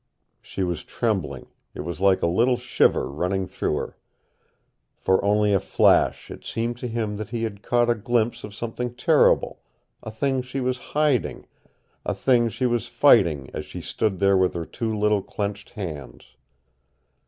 She was trembling. It was like a little shiver running through her. For only a flash it seemed to him that he had caught a glimpse of something terrible, a thing she was hiding, a thing she was fighting as she stood there with her two little clenched hands.